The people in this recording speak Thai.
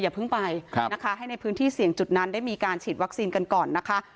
อย่าเพิ่งไปนะคะให้ในพื้นที่เสี่ยงจุดนั้นได้มีการฉีดวัคซีนกันก่อนนะคะ